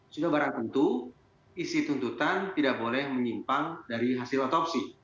sudah barang tentu isi tuntutan tidak boleh menyimpang dari hasil otopsi